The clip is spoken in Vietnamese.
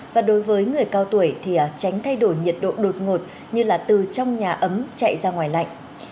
và đối với người cao tuổi thì tránh thay đổi nhiệt độ đột ngột như là từ trong nhà ấm chạy ra ngoài lạnh